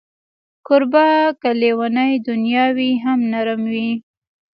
کوربه که لېونۍ دنیا وي، هم نرم وي.